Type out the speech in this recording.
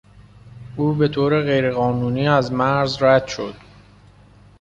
او به طور غیرقانونی از مرز رد شد.